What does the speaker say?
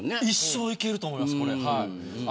一生いけると思います。